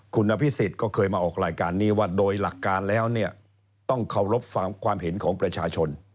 คุณอภิษฎก็เคยมาออกรายการนี้ว่าโดยหลักการแล้วเนี่ยต้องเคารพความเห็นของประชาชน